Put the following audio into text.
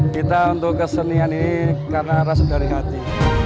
kita untuk kesenian ini karena rasa dari hati